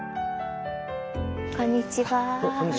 こんにちは。